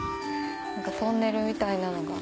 何かトンネルみたいなのが。